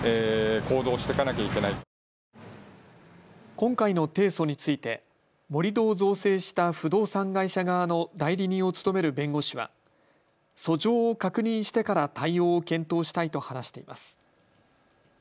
今回の提訴について盛り土を造成した不動産会社側の代理人を務める弁護士は訴状を確認してから対応を検討したいと話しています。